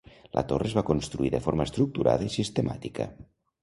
La torre es va construir de forma estructurada i sistemàtica.